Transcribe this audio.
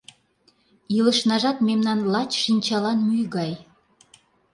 Илышнажат мемнан лач шинчалан мӱй гай.